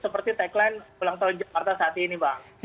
seperti tagline ulang tahun jakarta saat ini bang